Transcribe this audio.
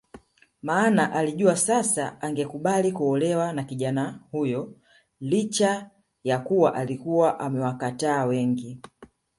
Maana alijua sasa angekubali kuolewa na kijana huyo licha ya kuwa alikuwa amewakatata wengi